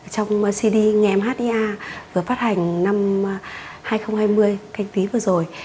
trong cd nghe em hát ý a vừa phát hành năm hai nghìn hai mươi canh tí vừa rồi